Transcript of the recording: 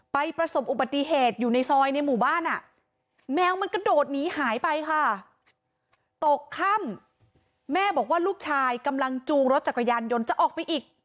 ประสบอุบัติเหตุอยู่ในซอยในหมู่บ้านอ่ะแมวมันกระโดดหนีหายไปค่ะตกค่ำแม่บอกว่าลูกชายกำลังจูงรถจักรยานยนต์จะออกไปอีก